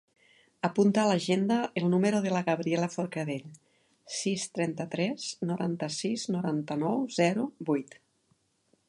Apunta a l'agenda el número de la Gabriela Forcadell: sis, trenta-tres, noranta-sis, noranta-nou, zero, vuit.